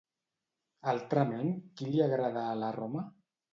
Altrament, qui li agrada a la Roma?